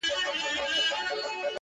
o او نه هېرېدونکي پاتې کيږي ډېر,